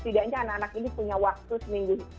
setidaknya anak anak ini punya waktu seminggu